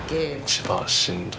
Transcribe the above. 一番しんどい。